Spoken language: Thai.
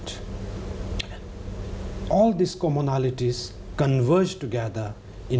ทั้งคนที่เราดูที่ไทย